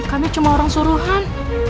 kami cuma orang suruhan